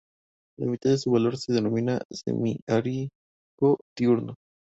La mitad de su valor se denomina semi-arco diurno.